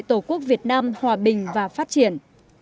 tổ quốc việt nam hòa bình và phát triển